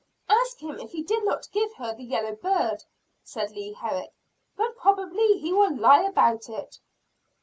"Ask him if he did not give her the yellow bird," said Leah Herrick. "But probably he will lie about it."